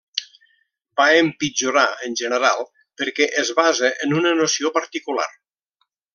Va empitjorar, en general, perquè es basa en una noció particular.